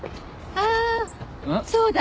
ああそうだ。